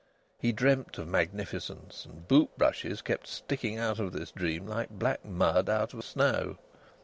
He dreamt of magnificence and boot brushes kept sticking out of this dream like black mud out of snow.